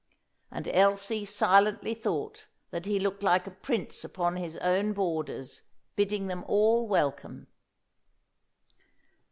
And Elsie silently thought that he looked like a prince upon his own borders, bidding them all welcome.